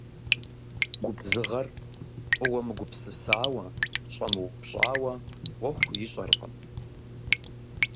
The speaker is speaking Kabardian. Губзыгъэр фӀыуэ мыгупсысауэ, щӀэмыупщӀауэ Ӏуэху ищӀэркъым.